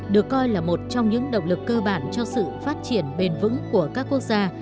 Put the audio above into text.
được coi là một trong những động lực cơ bản cho sự phát triển bền vững của các quốc gia